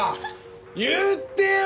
言ってよ！